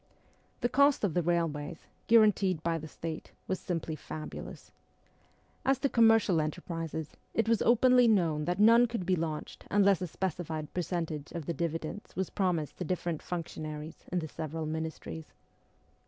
The cost of the railways, guaranteed by the State, was simply fabulous. As to commercial enterprises, it was openly known that none could be launched unless a specified percentage of the dividends was promised to different functionaries in the several ministries.